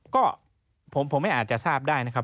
ก็ผมไม่อาจจะทราบได้นะครับ